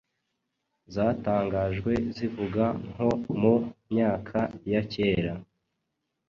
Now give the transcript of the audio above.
zatangajwe zivuga nko mu myaka ya cyera